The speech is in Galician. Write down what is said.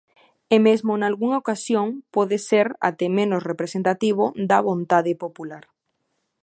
E mesmo nalgunha ocasión pode ser até menos representativo da vontade popular.